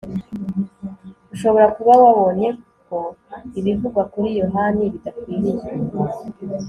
ushobora kuba wabonye ko ibivugwa kuri yohani bidakwiriye